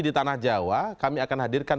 di tanah jawa kami akan hadirkan